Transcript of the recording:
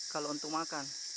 kalau untuk makan